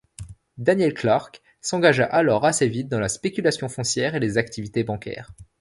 Daniel Clark s'engagea alors assez vite dans la spéculation foncière et les activités bancaires.